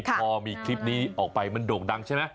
พอมีคลิปนี้ออกไปมันโด่งดังใช่ไหม